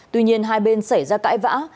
tuy nhiên hai bên xảy ra cãi vã